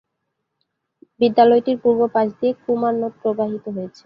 বিদ্যালয়টির পূর্ব পাশ দিয়ে কুমার নদ প্রবাহিত হয়েছে।